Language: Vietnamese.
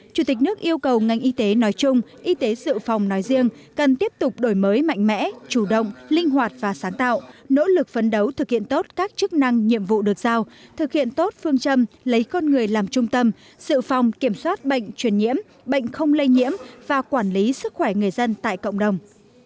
chủ tịch nước yêu cầu ngành y tế nói chung y tế dự phòng nói riêng cần tiếp tục đổi mới mạnh mẽ chủ động linh hoạt và sáng tạo nỗ lực phấn đấu thực hiện tốt các chức năng nhiệm vụ được giao thực hiện tốt phương châm lấy con người làm trung tâm sự phòng kiểm soát bệnh truyền nhiễm bệnh không lây nhiễm và quản lý sức khỏe người dân tại cộng đồng